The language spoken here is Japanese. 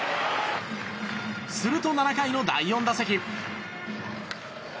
すると７回の第４打席。